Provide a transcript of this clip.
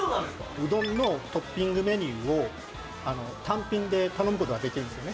うどんのトッピングメニューを単品で頼むことができるんですよね